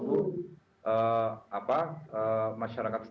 karena baru pelua